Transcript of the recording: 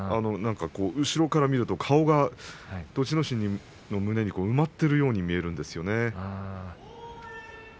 後ろから見ると顔が栃ノ心の胸に埋まっているように見えるんですよね。